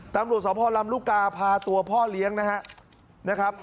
ตำรวจสพลำลูกกาพาตัวพ่อเลี้ยงนะครับ